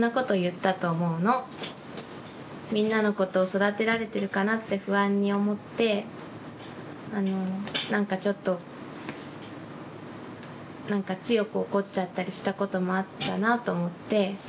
みんなのことを育てられてるかなって不安に思ってあのなんかちょっとなんか強く怒っちゃったりしたこともあったなと思って。